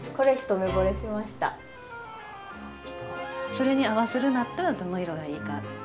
それに合わせるんだったらどの色がいいか。